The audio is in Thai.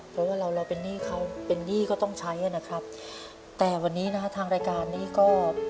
เพราะว่าเราเป็นหนี้เขาเป็นหนี้ก็ต้องใช้นะครับ